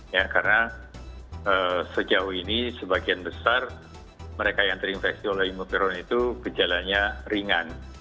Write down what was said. ya karena sejauh ini sebagian besar mereka yang terinfeksi oleh imutron itu gejalanya ringan